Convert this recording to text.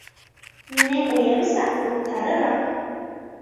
Минең уйымса, ул тарыраҡ